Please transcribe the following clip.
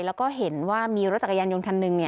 แล้วก็เห็นว่ามีรถจักรยานยนต์คันหนึ่ง